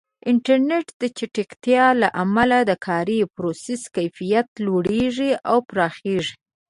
د انټرنیټ د چټکتیا له امله د کاري پروسو کیفیت لوړېږي او پراخېږي.